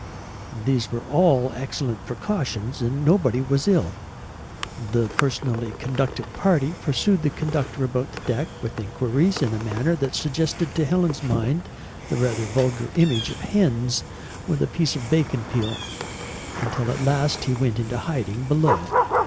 These were all excellent precautions, and, nobody was ill. The personally conducted party pursued the conductor about the deck with enquiries in a manner that suggested to Helen's mind the rather vulgar image of hens with a piece of bacon peel, until at last he went into hiding below.